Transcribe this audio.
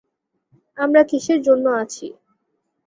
আমরা কীসের জন্য আছি?